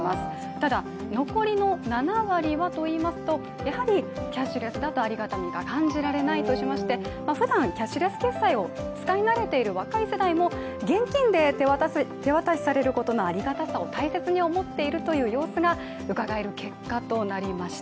ただ残りの７割はといいますとやはり、キャッシュレスだとありがたみが感じられないとしましてふだんキャッシュレス決済を使い慣れている若い世代も現金で手渡しされることのありがたさを大切に思っているという様子がうかがえる結果となりました。